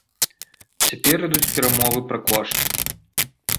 Цяпер ідуць перамовы пра кошт.